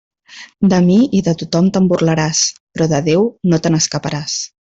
De mi i de tothom te'n burlaràs, però de Déu, no te n'escaparàs.